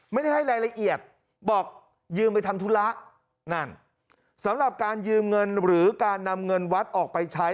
ไม่ได้ให้รายละเอียดบอกยืมไปทำธุระนั่นสำหรับการยืมเงินหรือการนำเงินวัดออกไปใช้